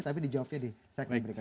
tapi dijawabnya di sekretari berikata